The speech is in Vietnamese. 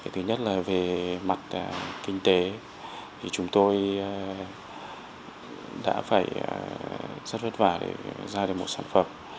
thứ nhất là về mặt kinh tế thì chúng tôi đã phải rất vất vả để ra được một sản phẩm